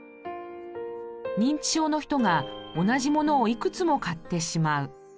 認知症の人が同じ物をいくつも買ってしまう。